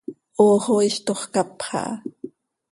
Hoox oo iiztox caapxa ha.